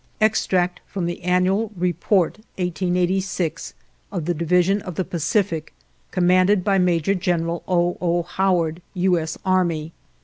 Extract from the annual report (1886) of the Division of the Pacific, commanded by Major General O. O. Howard, U. S. Army.